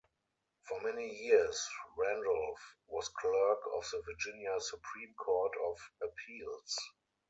For many years Randolph was clerk of the Virginia Supreme Court of Appeals.